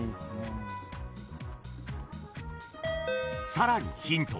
［さらにヒント］